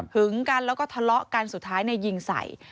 ึงกันแล้วก็ทะเลาะกันสุดท้ายยิงใส่